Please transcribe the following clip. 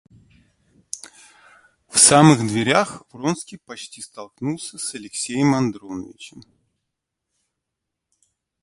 В самых дверях Вронский почти столкнулся с Алексеем Александровичем.